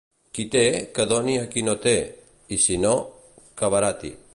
Qui té, que doni a qui no té; i, si no, que barati.